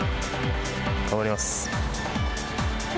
頑張ります。